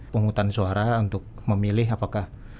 penghutan suara untuk memilih apakah